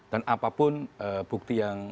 dan apapun bukti yang